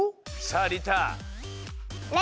さありた！